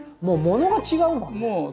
もうものが違うもんね。